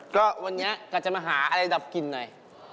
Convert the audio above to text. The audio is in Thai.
ก็วันนี้ก็จะมาหาอะไรดับกลิ่นหน่อย